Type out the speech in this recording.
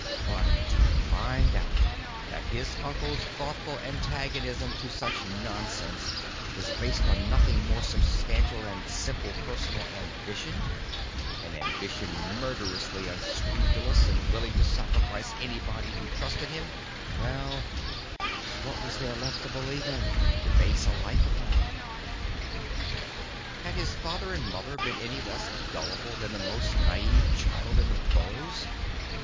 But to find out that his uncle's thoughtful antagonism to such nonsense was based on nothing more substantial than simple personal ambition, an ambition murderously unscrupulous and willing to sacrifice anybody who trusted him well, what was there left to believe in, to base a life upon? Had his father and mother been any less gullible than the most naive child in the burrows?